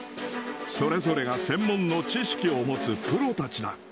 それぞれが専門の知識を持つプロたちだ。